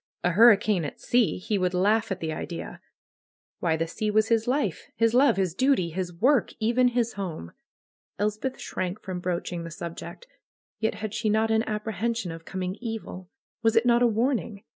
A hurricane at sea! He would laugh at the idea. Why, the sea was his life, his love, his duty, his work, even his home. Elspeth shrank from broaching the subject. Yet had she not an apprehension of coming evil? Was it not a warn ing?